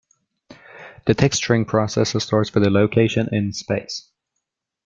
The texturing process starts with a location in space.